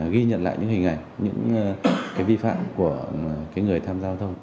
ghi nhận lại những hình ảnh những vi phạm của người tham gia giao thông